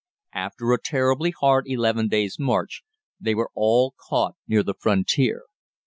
After a terribly hard eleven days' march they were all caught near the frontier.